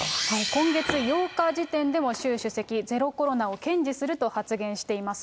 今月８日時点でも習主席、ゼロコロナを堅持すると発言しています。